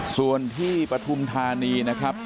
ส่วนที่ปฐุมธานีนะครับ